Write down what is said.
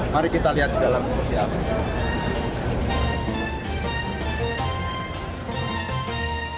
mari kita lihat di dalam video